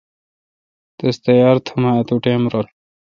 تس تیار تھم اؘ اتو ٹائم رل۔